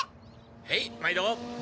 へい！まいど。